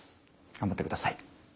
頑張ってください。